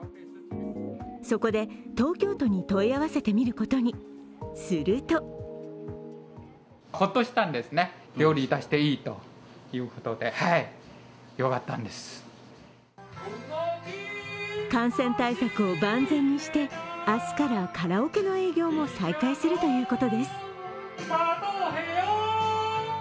そこで、東京都に問い合わせてみることに、すると感染対策を万全にして、明日からカラオケの営業も再開するということです。